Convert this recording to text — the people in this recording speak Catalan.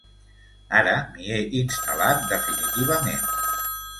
Ara m'hi he instal·lat, definitivament.